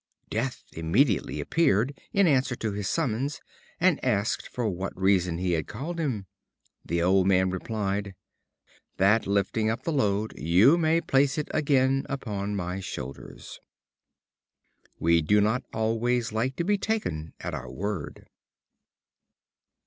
"Death" immediately appeared, in answer to his summons, and asked for what reason he had called him. The old man replied: "That, lifting up the load, you may place it again upon my shoulders." We do not always like to be taken at our word.